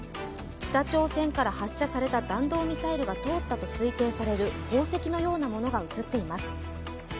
北朝鮮から発射された弾道ミサイルが通ったと推定される航跡のようなものが見えます。